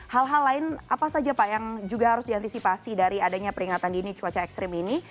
hal hal lain apa saja pak yang juga harus diantisipasi dari adanya peringatan dini cuaca ekstrim ini